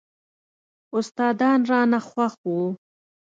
استادان رانه خوښ وو.